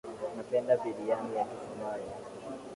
Napenda biriyani ya kisomali